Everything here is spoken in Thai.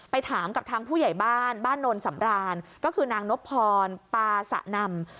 ถามกับทางผู้ใหญ่บ้านบ้านโนนสำรานก็คือนางนพรปาสะนำ